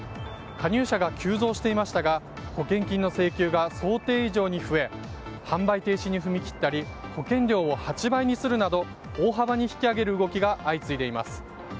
加入者が急増していましたが保険金の請求が想定以上に増え販売停止に踏み切ったり保険料を８倍にするなど大幅に引き上げる動きが相次いでいます。